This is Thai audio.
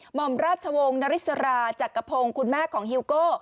หมอมราชวงศ์นาริสราจักรพงศ์คุณแม่ของฮิวโก้